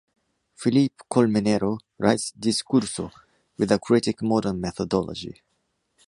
Felipe Colmenero writes “Discurso...” with a critic modern methodology.